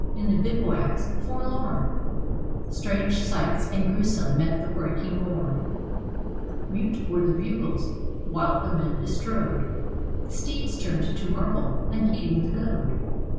In the bivouacs forlorn Strange sights and gruesome met the breaking morn: Mute were the bugles, while the men bestrode Steeds turned to marble, unheeding the goad.